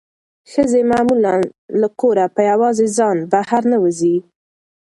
ښځې معمولا له کوره په یوازې ځان بهر نه وځي.